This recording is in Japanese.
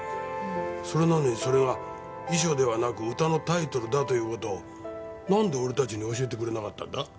それなのにそれが遺書ではなく歌のタイトルだという事を何で俺達に教えてくれなかったんだ？